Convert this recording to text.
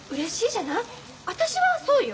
私はそうよ。